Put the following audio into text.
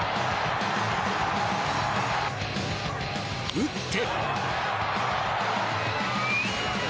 打って。